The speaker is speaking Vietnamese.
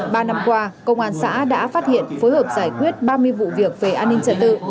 ba năm qua công an xã đã phát hiện phối hợp giải quyết ba mươi vụ việc về an ninh trật tự